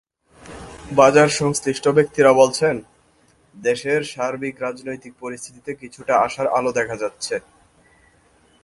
বাজার সংশ্লিষ্ট ব্যক্তিরা বলছেন, দেশের সার্বিক রাজনৈতিক পরিস্থিতিতে কিছুটা আশার আলো দেখা যাচ্ছে।